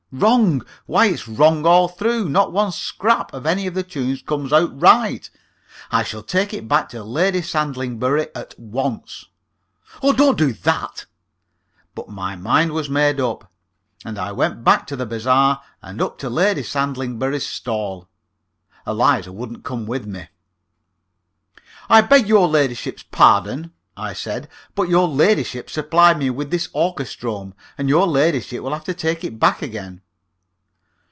"Wrong! Why, it's wrong all through. Not one scrap of any of the tunes comes out right. I shall take it back to Lady Sandlingbury at once." "Oh, don't do that!" But my mind was made up, and I went back to the bazaar, and up to Lady Sandlingbury's stall. Eliza wouldn't come with me. "I beg your ladyship's pardon," I said, "but your ladyship supplied me with this orchestrome, and your ladyship will have to take it back again."